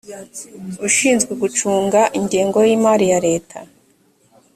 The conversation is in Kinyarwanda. ushinzwe gucunga ingengo y imari ya leta